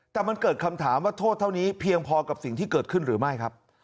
แต่มันเกิดคำถามว่าโทษเท่านี้เพียงพอกับสิ่งที่เกิดขึ้นหรือไม่ครับ